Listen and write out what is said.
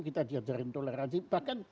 kita diajarin toleransi bahkan